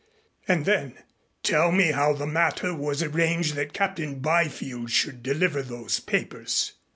And then, "Tell me how the matter was arranged that Captain Byfield should deliver those papers."